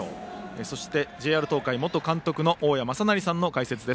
そして、ＪＲ東海元監督の大矢正成さんの解説です。